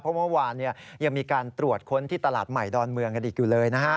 เพราะเมื่อวานยังมีการตรวจค้นที่ตลาดใหม่ดอนเมืองกันอีกอยู่เลยนะฮะ